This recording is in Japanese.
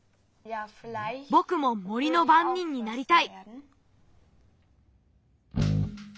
ぼくも森のばんにんになりたい。